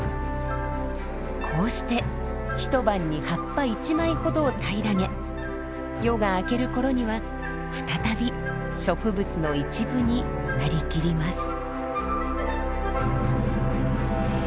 こうして一晩に葉っぱ１枚ほどを平らげ夜が明けるころには再び植物の一部に成りきります。